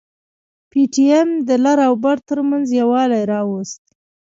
پي ټي ايم د لر او بر ترمنځ يووالي راوست.